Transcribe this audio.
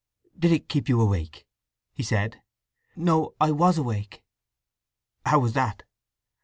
"Did it keep you awake?" he said. "No—I was awake." "How was that?"